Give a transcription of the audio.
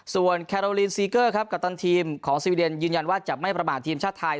ส่วนแคโรลินซีเกอร์ครับกัปตันทีมของสวีเดนยืนยันว่าจะไม่ประมาททีมชาติไทย